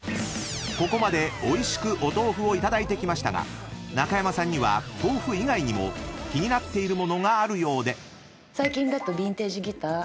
［ここまでおいしくお豆腐をいただいてきましたが中山さんには豆腐以外にも気になっている物があるようで］